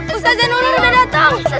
ustadz zanurul udah datang